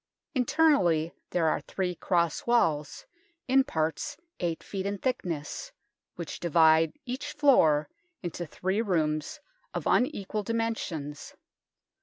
Internally there are three cross walls, in parts 8 ft. in thickness, which divide each floor into three rooms of unequal dimensions.